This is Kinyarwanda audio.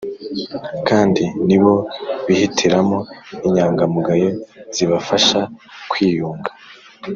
kandi ni bo bihitiramo inyangamugayo zibafasha kwiyunga